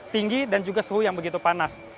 tinggi dan juga suhu yang begitu panas